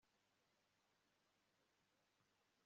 kuko intege nke nta cyo zimaze